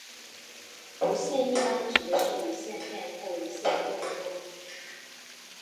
无线一般指的是无线电或无线电波。